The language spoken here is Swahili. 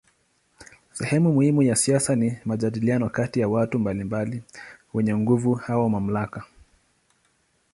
Sehemu muhimu ya siasa ni majadiliano kati ya watu mbalimbali wenye nguvu au mamlaka.